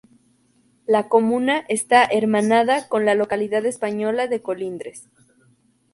La comuna está hermanada con la localidad española de Colindres.